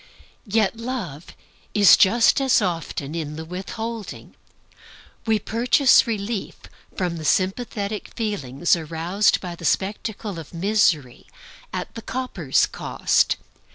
Yet Love is just as often in the withholding. We purchase relief from the sympathetic feelings roused by the spectacle of misery, at the copper's cost.